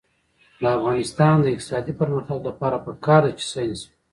د افغانستان د اقتصادي پرمختګ لپاره پکار ده چې ساینس وي.